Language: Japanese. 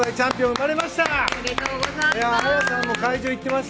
おめでとうございます！